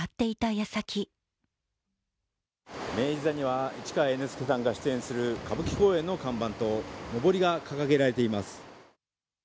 やさき明治座には市川猿之助さんが出演する歌舞伎公演の看板とのぼりが掲げられています。